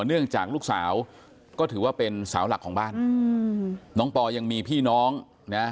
เนื่องจากลูกสาวก็ถือว่าเป็นสาวหลักของบ้านอืมน้องปอยังมีพี่น้องนะ